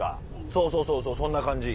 そうそうそうそうそんな感じ。